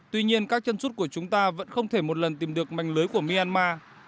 tuy nhiên các chân sút của chúng ta vẫn không thể một lần tìm được mảnh lưới của myanmar